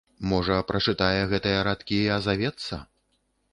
Можа, прачытае гэтыя радкі і азавецца?